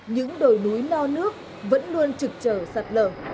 những đồi núi no nước vẫn luôn trực trở sạt lở